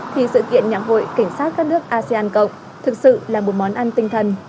thì sự kiện nhạc hội cảnh sát các nước asean cộng thực sự là một món ăn tinh thần